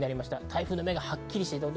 台風の目がはっきりしている。